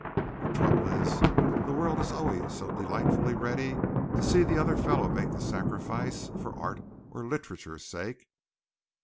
The trouble is the world is always so delightfully ready to see the other fellow make the sacrifice for art or literature's sake.